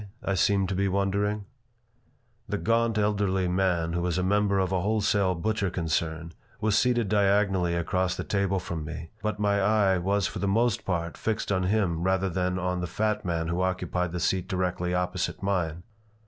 I seemed to be wondering The gaunt, elderly man, who was a member of a wholesale butcher concern, was seated diagonally across the table from me, but my eye was for the most part fixed on him rather than on the fat man who occupied the seat directly opposite mine.